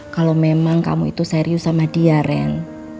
kalau memang kamu itu serius sama dia ren